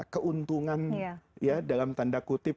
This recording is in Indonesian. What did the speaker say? keuntungan ya dalam tanda kutip